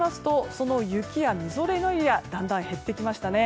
その雪やみぞれのエリアだんだん減ってきましたね。